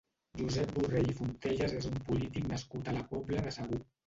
Josep Borrell i Fontelles és un polític nascut a la Pobla de Segur.